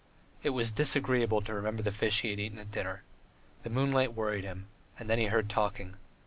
It was disagreeable to remember the fish he had eaten at dinner. The moonlight worried him, and then he heard talking.